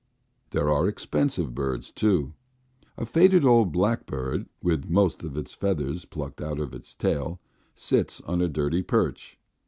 There are expensive birds too. A faded old blackbird, with most of its feathers plucked out of its tail, sits on a dirty perch.